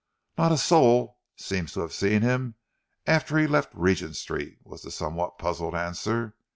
"Not a soul seems to have seen him after he left Regent Street," was the somewhat puzzled answer.